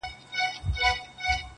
ما د خټو د خدایانو بندګي منلې نه ده -